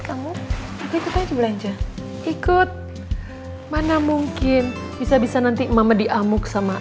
ya udah ren aku mau belanja ikut mana mungkin bisa bisa nanti mama diamuk sama